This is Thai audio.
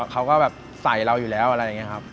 เขาก็แบบใส่เราอยู่แล้วอะไรอย่างนี้ครับ